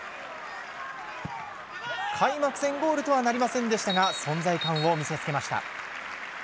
開幕戦ゴールとはなりませんでしたが存在感を見せつけました。